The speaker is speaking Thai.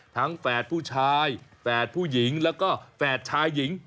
แฝดผู้ชายแฝดผู้หญิงแล้วก็แฝดชายหญิง